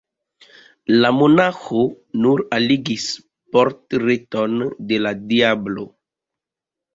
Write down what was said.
La monaĥo nur aligis portreton de la diablo.